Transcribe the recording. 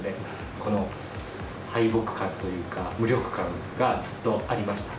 この敗北感というか、無力感がずっとありました。